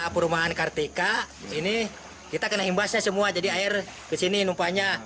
perumahan kartika ini kita kena imbasnya semua jadi air kesini numpanya